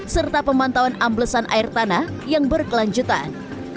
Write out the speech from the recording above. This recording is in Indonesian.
serta pemantauan amblesan air tanah yang berkelanjutan